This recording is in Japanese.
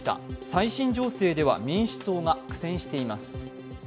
最新情勢では民主党が苦戦しています。